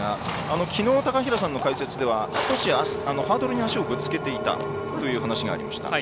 きのう高平さんの解説では少しハードルに足をぶつけていたという話がありました。